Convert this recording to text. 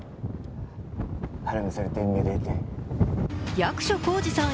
役所広司さん